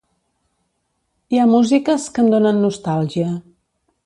Hi ha músiques que em donen nostàlgia.